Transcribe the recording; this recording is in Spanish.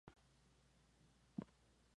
Consta de dos plantas, ático y semisótano.